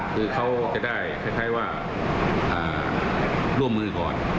คือเขาจะได้คล้ายว่าร่วมมือก่อน